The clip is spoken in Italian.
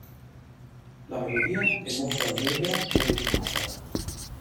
La melodia è molto allegra e ritmata.